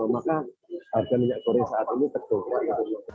maka harga minyak goreng saat ini terdongkrak